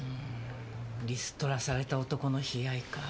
リストラされた男の悲哀か。